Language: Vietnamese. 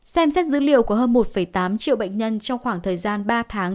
xem xét dữ liệu của hơn một tám triệu bệnh nhân trong khoảng thời gian ba tháng